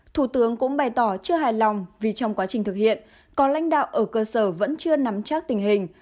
thủ tướng cũng bày tỏ chưa hài lòng vì trong quá trình thực hiện còn lãnh đạo ở cơ sở vẫn chưa nắm chắc tình hình